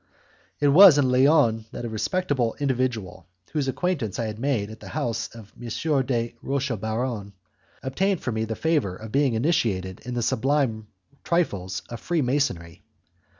It was in Lyons that a respectable individual, whose acquaintance I made at the house of M. de Rochebaron, obtained for me the favour of being initiated in the sublime trifles of Freemasonry.